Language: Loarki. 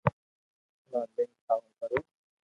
رودين ڪاو ڪرو